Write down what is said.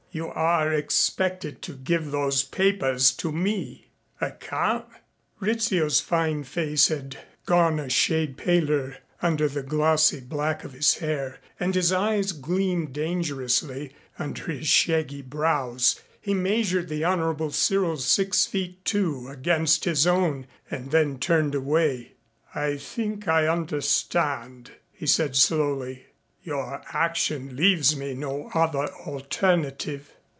"You are expected to give those papers to me." "I can't." Rizzio's fine face had gone a shade paler under the glossy black of his hair and his eyes gleamed dangerously under his shaggy brows. He measured the Honorable Cyril's six feet two against his own and then turned away. "I think I understand," he said slowly. "Your action leaves me no other alternative."